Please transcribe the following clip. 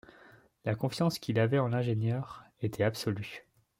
La confiance qu’ils avaient en l’ingénieur était absolue